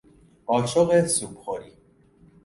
قاشق سوپخوری